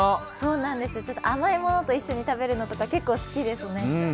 甘いものと一緒に食べるのとか結構好きですね。